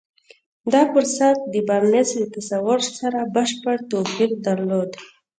دا فرصت د بارنس له تصور سره بشپړ توپير درلود.